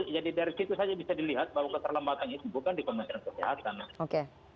jadi dari situ saja bisa dilihat bahwa keterlambatan itu bukan di kementerian kesehatan